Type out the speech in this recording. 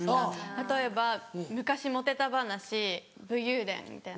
例えば昔モテた話武勇伝みたいな。